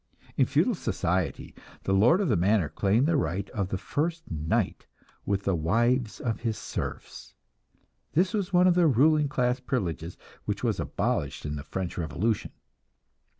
In feudal society the lord of the manor claimed the right of the first night with the wives of his serfs; this was one of the ruling class privileges which was abolished in the French revolution.